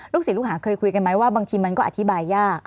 ศิลลูกหาเคยคุยกันไหมว่าบางทีมันก็อธิบายยาก